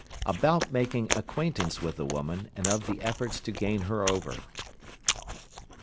ABOUT MAKING ACQUAINTANCE WITH THE WOMAN, AND OF THE EFFORTS TO GAIN HER OVER.